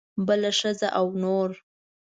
بله ښځه او نور.